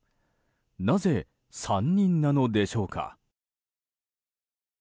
なぜ３人なのでしょうか。